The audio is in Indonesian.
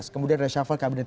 kemudian resafel kabinet